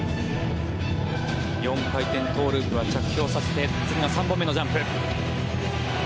４回転トウループは着氷させて次が３本目のジャンプ。